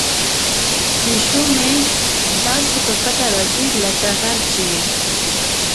پیشو مې داسې په پټه راځي لکه غل چې وي.